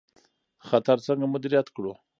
خطر څنګه مدیریت کړو؟